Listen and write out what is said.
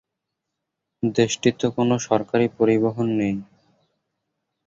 দেশটিতে কোন সরকারি পরিবহন নেই।